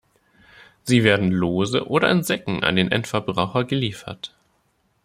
Sie werden lose oder in Säcken an den Endverbraucher geliefert.